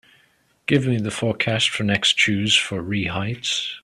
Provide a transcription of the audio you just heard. give me the forecast for next Tues. for Ree Heights